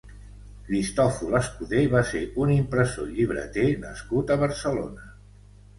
Cristòfol Escuder va ser un impressor i llibreter nascut a Barcelona.